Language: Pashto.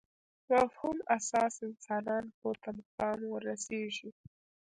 مفهوم اساس انسانان پورته مقام ورسېږي.